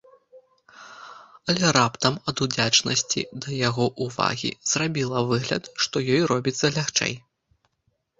Але раптам, ад удзячнасці да яго ўвагі, зрабіла выгляд, што ёй робіцца лягчэй.